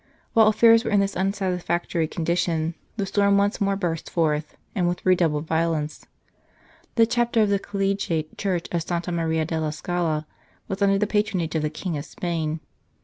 While affairs were in this unsatisfactory con dition, the storm once more burst forth and with redoubled violence. The Chapter of the collegiate The Commencement of the Struggle church of Santa Maria della Scala was under the patronage of the King of Spain.